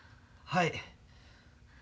はい。